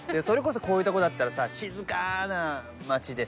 それこそこういうとこだったら。